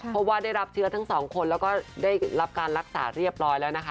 เพราะว่าได้รับเชื้อทั้งสองคนแล้วก็ได้รับการรักษาเรียบร้อยแล้วนะคะ